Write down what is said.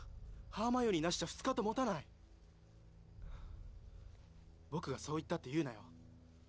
ハーマイオニーなしじゃ２日と持たない僕がそう言ったって言うなよ